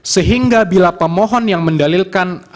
sehingga bila pemohon yang mendalilkan